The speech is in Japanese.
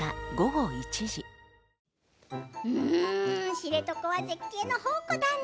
知床は絶景の宝庫だね。